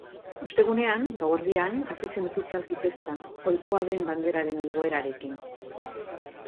Ostegunean, gauerdian, hasi zen ofizialki festa, ohikoa den banderaren igoerarekin.